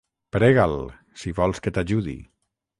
Prega'l, si vols que t'ajudi.